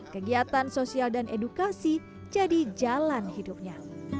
kegiatan sosial dan edukasi jadi jalan hidupnya